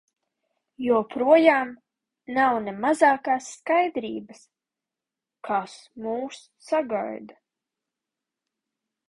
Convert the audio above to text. Joprojām nav ne mazākās skaidrības, kas mūs sagaida.